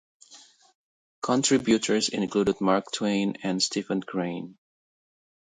Contributors included Mark Twain and Stephen Crane.